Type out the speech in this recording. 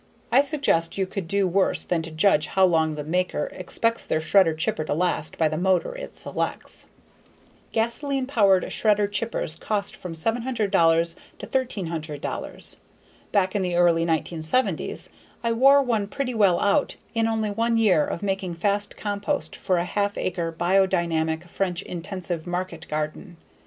I suggest you could do worse than to judge how long the maker expects their shredder/chipper to last by the motor it selects. Gasoline powered shredder/chippers cost from $700 to $1,300. Back in the early 1970s I wore one pretty well out in only one year of making fast compost for a half acre Biodynamic French intensive market garden.